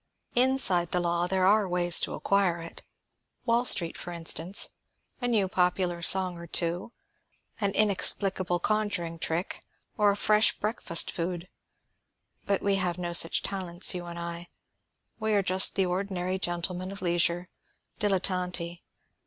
Inside the law there are ways to acquire it. Wall Street, for instance; a new popular song or two, an inexplicable conjuring trick, or a fresh breakfast food. But we have no such talents, you and I; we are just the ordinary gentlemen of leisure, dilettanti.